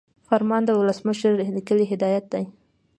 فرمان د ولسمشر لیکلی هدایت دی.